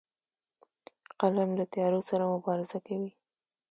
قلم له تیارو سره مبارزه کوي